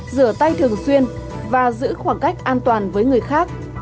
rửa tay thường xuyên và giữ khoảng cách an toàn với người khác